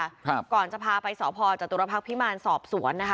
ครับก่อนจะพาไปสพจตุรพักษ์พิมารสอบสวนนะคะ